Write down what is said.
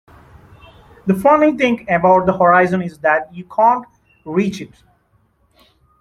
The funny thing about the horizon is that you can't reach it.